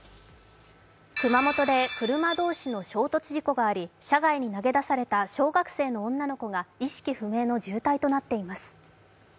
熊本で車同士の衝突事故があり車外に投げ出された小学生の女の子が意識不明の重体となっています。